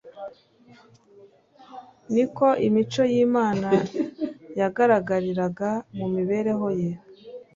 ni uko imico y'Imana yagaragariraga mu mibereho ye.